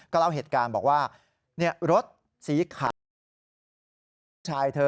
เล่าเหตุการณ์บอกว่ารถสีขาวลูกชายเธอ